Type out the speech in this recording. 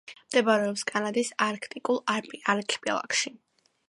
მდებარეობს კანადის არქტიკულ არქიპელაგში.